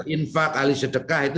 infak ahli sedekah itu